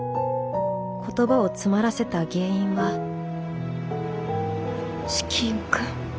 言葉を詰まらせた原因は色欲。